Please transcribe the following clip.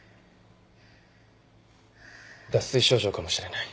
脱水症状かもしれない。